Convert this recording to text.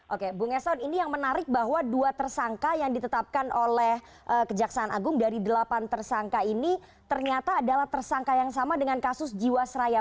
oke bung eson ini yang menarik bahwa dua tersangka yang ditetapkan oleh kejaksaan agung dari delapan tersangka ini ternyata adalah tersangka yang sama dengan kasus jiwasraya